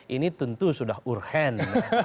ini tentu sudah urhen